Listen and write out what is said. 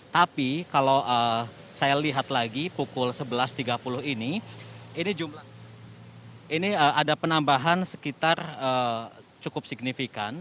tapi kalau saya lihat lagi pukul sebelas tiga puluh ini ada penambahan sekitar cukup signifikan